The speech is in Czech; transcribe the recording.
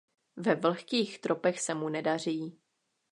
Ve vlhkých tropech se mu nedaří.